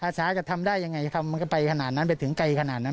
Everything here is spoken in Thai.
ช้าจะทำได้ยังไงทำมันก็ไปขนาดนั้นไปถึงไกลขนาดนั้น